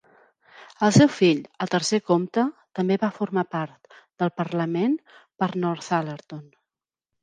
El seu fill, el tercer comte, també va formar part del Parlament per Northallerton.